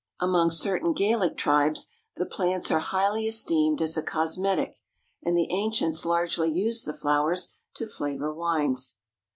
Among certain Gaelic tribes the plants are highly esteemed as a cosmetic, and the ancients largely used the flowers to flavor wines.